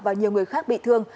và nhiều người khác bị thương